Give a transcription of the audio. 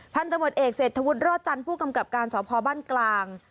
พันธบทเอกเศรษฐวุฒิรอดจันทร์ผู้กำกับการสพบ้านกลาง